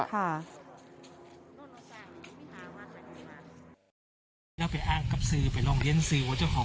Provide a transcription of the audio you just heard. เราไปอ้างกับซีไปลองเรียนซีว่าเจ้าของ